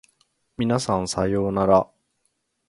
皆さんさようなら